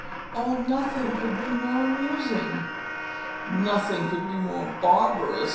Oh, nothing could be more amusing!" "Nothing could be more barbarous!"